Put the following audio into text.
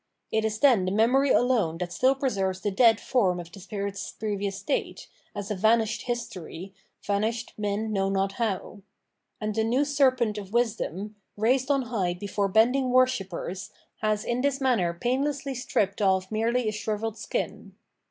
It is then the memory alone that still preserves the dead form of the spirit's previous state, as a vanished history, vanished men know not how. And the new serpent of wisdom, raised on high before bending worshippers, has in this manner painlessly stripped off merely a shrivebed skin.